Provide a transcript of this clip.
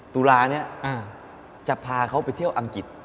ตุลานี้จะพาเขาไปเที่ยวอังกฤษ